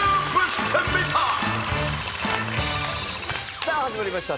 さあ始まりました